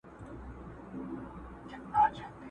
o له خالي لوښي لوی اواز راوزي!